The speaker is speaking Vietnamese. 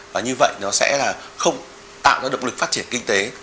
và như vậy nó sẽ là không tạo ra động lực phát triển kinh tế